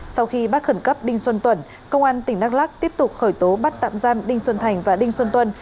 sau khi bắt khẩn cấp đinh xuân tuẩn công an tỉnh đắk lắc tiếp tục khởi tố bắt tạm giam đinh xuân thành và đinh xuân tuân